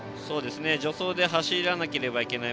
助走で走らなければいけない。